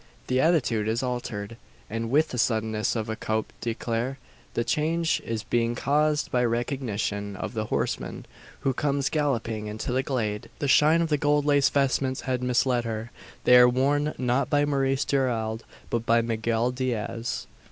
The attitude is altered, and with the suddenness of a coup d'eclair; the change being caused by recognition of the horseman who comes galloping into the glade. The shine of the gold laced vestments had misled her. They are worn not by Maurice Gerald, but by Miguel Diaz!